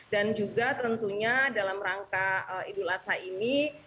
dan juga tentunya dalam rangka idul adha ini